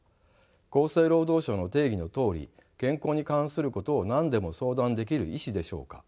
厚生労働省の定義のとおり健康に関することを何でも相談できる医師でしょうか。